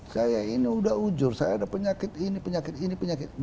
saya ini udah ujur saya ada penyakit ini penyakit ini penyakit ini